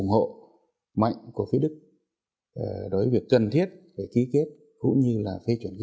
khác biệt tính hiệu đồng